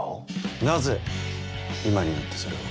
なぜ今になってそれを？